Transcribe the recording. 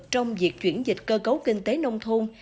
trong việc chuyển dịch cơ cấu kinh tế nông thôn